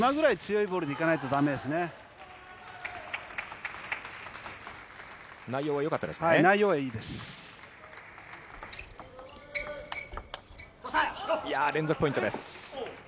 いやぁ、連続ポイントです。